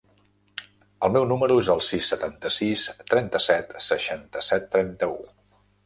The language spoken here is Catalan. El meu número es el sis, setanta-sis, trenta-set, seixanta-set, trenta-u.